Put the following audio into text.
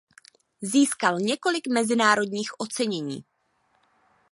Získal několik mezinárodních ocenění.